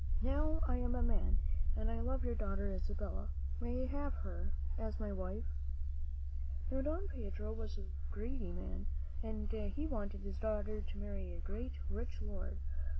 Now I am a man and I love your daughter, Isabella. May I have her as my wife?" Now, Don Pedro was a greedy man, and he wanted his daughter to marry a great, rich lord, (0?